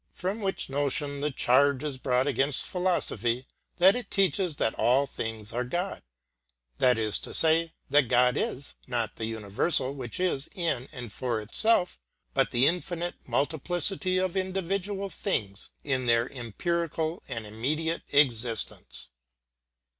From which notion the charge is brought against philosophy that it teaches that all things are God; that is to say, that God is, not the universal which is in and for itself, but the infinite multiplicity of individual things in their empirical and immediate existence.